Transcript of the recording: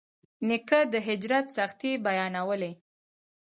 نیکه د هجرت سختۍ بیانوي.